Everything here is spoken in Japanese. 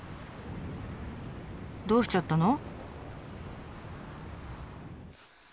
どうしちゃったの？